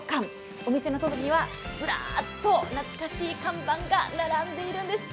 お店の外にはずらーっと懐かしい看板が並んでいるんです。